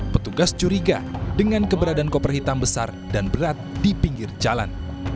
petugas curiga dengan keberadaan koper hitam besar dan berat di pinggir jalan